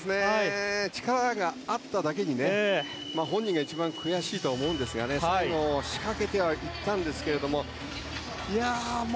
力があっただけに本人が一番悔しいとは思うんですが最後、仕掛けてはいったんですけれども。